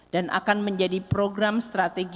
dan akan menjadi kemampuan untuk menjaga kemampuan sekolah